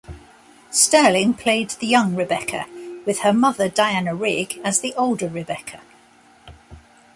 Stirling played the young Rebeccah, with her mother, Diana Rigg, as the older Rebeccah.